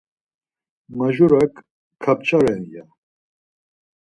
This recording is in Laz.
Majurak, kapça ren ya.